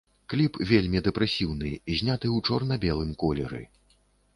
Кліп вельмі дэпрэсіўны, зняты ў чорна-белым колеры.